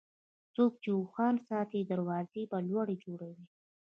څوک چې اوښان ساتي، دروازې به لوړې جوړوي.